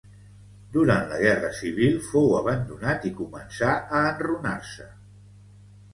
Durant la guerra civil fou abandonat i començà a enrunar-se.